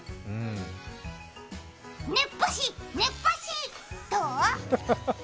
熱波師、熱波師、どぉ？